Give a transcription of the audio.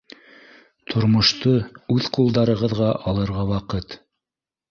Тормошто үҙ ҡулдарығыҙға алырға ваҡыт